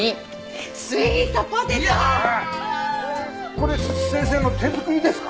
これ先生の手作りですか？